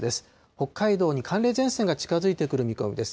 北海道に寒冷前線が近づいてくる見込みです。